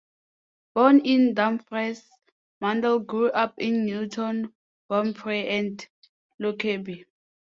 Born in Dumfries, Mundell grew up in Newton Wamphray and Lockerbie.